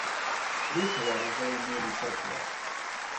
It is, however, very nearly circular.